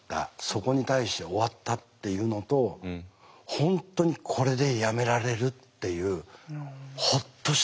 そこに対して終わったっていうのと本当にこれでやめられるっていうほっとした気持ちと。